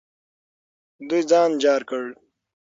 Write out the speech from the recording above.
دوی ځان جار کړ.